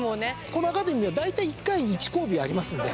このアカデミーは大体１回にいち交尾ありますんで。